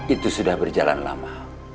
itu sudah berjalan lama